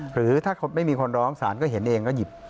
หรือถ้าไม่มีคนร้องศาลก็เห็นเองก็หยิบ